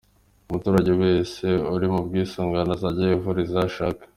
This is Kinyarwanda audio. Umuturage wese uri mubwisungane azajya yivuriza aho ashaka